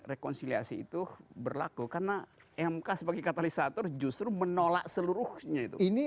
rekonsiliasi itu berlaku karena mk sebagai katalisator justru menolak seluruhnya itu ini